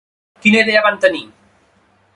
Quina idea van tenir?